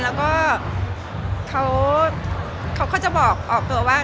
และเค้าจะบอกออกตัวว่า